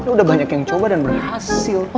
udah banyak yang coba dan berhasil